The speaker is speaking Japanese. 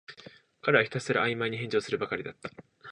彼はひたすらあいまいに返事するばかりだった